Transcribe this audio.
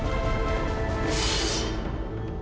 aku akan buktikan